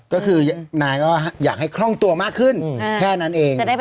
ก็คือนายก็อยากให้คล่องตัวมากขึ้นแค่นั้นเอง